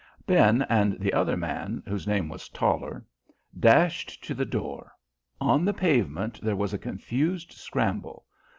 Ben and the other man, whose name was Toller, dashed to the door. On the pavement there was a confused scramble.